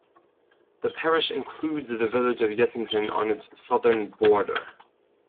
The parish includes the village of Yettington on its southern border.